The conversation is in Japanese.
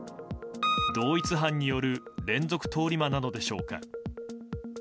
同一犯による連続通り魔なのでしょうか。